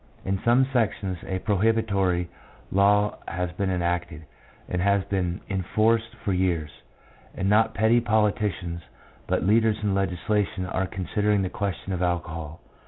In some sections a prohibitory law has been enacted, and has been enforced for years, and not petty politicians, but leaders in legisla tion are considering the question of alcohol.